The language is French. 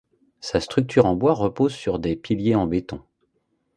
Sa structure en bois repose sur des piliers en béton.